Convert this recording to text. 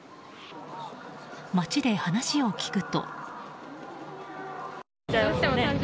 街で話を聞くと。